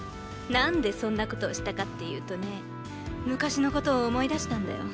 何でそんなことをしたかっていうとね昔のことを思い出したんだよ。